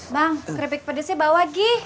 bang krepik pedasnya bawa gi